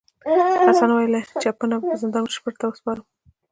حسن وویل چپنه به زندان مشر ته وسپارم.